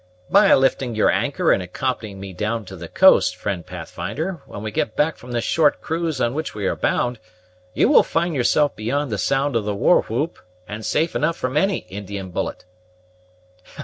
"By lifting your anchor, and accompanying me down to the coast, friend Pathfinder, when we get back from this short cruise on which we are bound, you will find yourself beyond the sound of the war whoop, and safe enough from any Indian bullet."